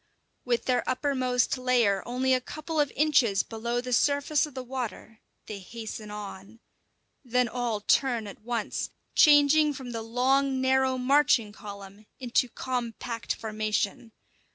With their uppermost layer only a couple of inches below the surface of the water they hasten on. Then all turn at once, changing from the long, narrow marching column into compact formation.